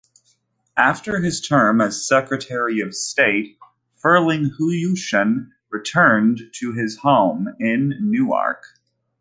After his term as Secretary of State Frelinghuysen returned to his home in Newark.